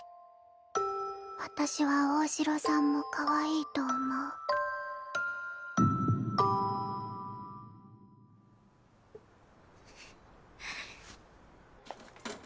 私は大城さんもかわいいと思うドクンんんっ。